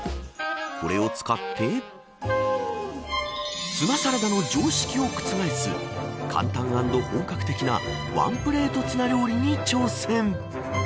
これを使ってツナサラダの常識を覆す簡単アンド本格的なワンプレートツナ料理に挑戦。